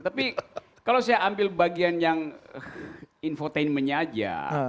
tapi kalau saya ambil bagian yang infotainmentnya aja